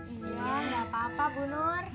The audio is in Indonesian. iya nggak apa apa bu nur